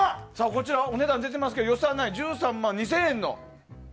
こちら、お値段出ていますが予算内１３万２０００円の。